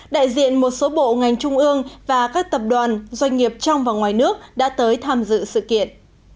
đại diện một số bộ ngành trung ương và các tập đoàn doanh nghiệp trong và ngoài nước đã tới tham dự sự kiện